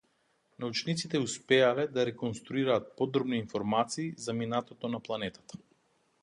Научниците успеале да реконструираат подробни информации за минатото на планетата.